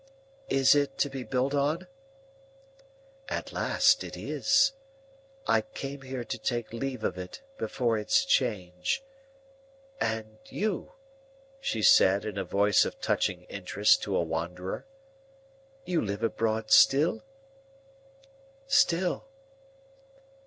"Is it to be built on?" "At last, it is. I came here to take leave of it before its change. And you," she said, in a voice of touching interest to a wanderer,—"you live abroad still?" "Still."